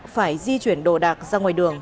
phải di chuyển đồ đạc ra ngoài đường